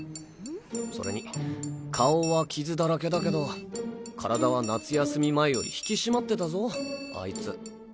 それに顔はキズだらけだけど身体は夏休み前より引き締まってたぞあいつ。